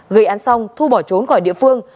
gây án xong thu bỏ trốn khỏi địa phương